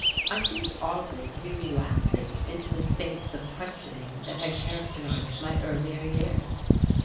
I seemed oddly to be relapsing into the states of questioning that had characterized my earlier years.